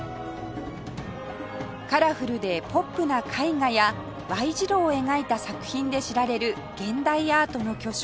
カラフルでポップな絵画や Ｙ 字路を描いた作品で知られる現代アートの巨匠